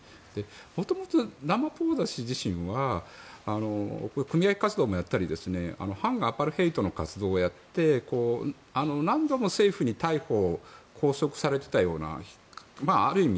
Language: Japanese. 元々、ラマポーザ氏自身は組合活動もやったり反アパルトヘイトの活動をやって何度も政府に逮捕・拘束されていたようなある意味